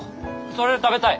それ食べたい！